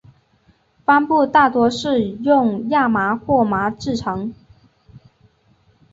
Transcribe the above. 帆布大多是用亚麻或麻制成。